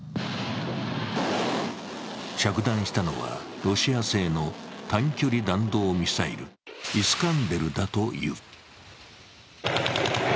着弾したのはロシア製の短距離弾道ミサイルイスカンデルだという。